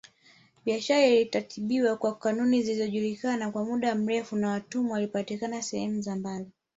Biashara iliratibiwa kwa kanuni zilizojulikana kwa muda mrefu na watumwa walipatikana sehemu za mbali